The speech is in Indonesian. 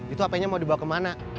itu hpnya mau dibawa kemana